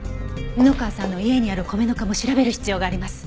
布川さんの家にある米ぬかも調べる必要があります。